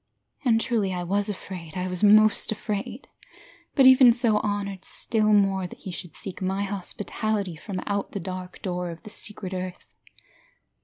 And truly I was afraid, I was most afraid, But even so, honoured still more That he should seek my hospitality From out the dark door of the secret earth.